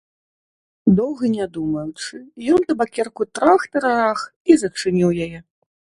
Доўга не думаючы, ён табакерку трах-тарарах і зачыніў яе.